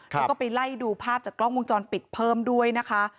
แล้วก็ไปไล่ดูภาพจากกล้องวงจรปิดเพิ่มด้วยนะคะ